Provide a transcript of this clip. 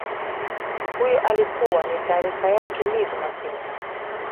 huyo alikuwa ni taarifa yake liz masinga